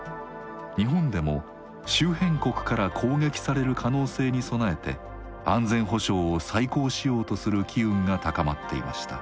日本でも周辺国から攻撃される可能性に備えて安全保障を再考しようとする機運が高まっていました。